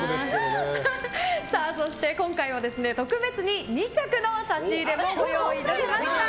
そして今回は特別に２着の差し入れもご用意いたしました。